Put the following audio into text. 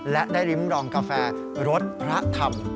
และได้ริมรองกาแฟรสพระธรรม